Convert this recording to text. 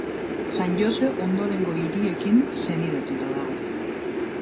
San Jose ondorengo hiriekin senidetuta dago.